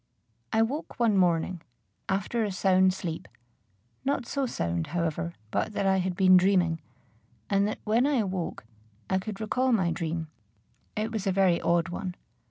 I woke one morning, after a sound sleep, not so sound, however, but that I had been dreaming, and that, when I awoke, I could recall my dream. It was a very odd one.